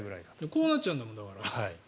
こうなっちゃうんだもんだから。